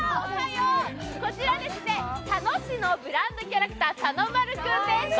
こちら、佐野市のブランドキャラクター、さのまる君です。